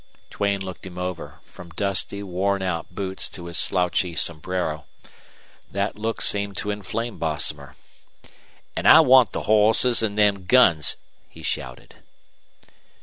Duane looked him over, from dusty, worn out boots to his slouchy sombrero. That look seemed to inflame Bosomer. "An' I want the hoss an' them guns," he shouted.